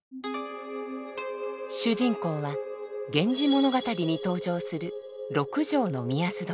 主人公は「源氏物語」に登場する六条御息所。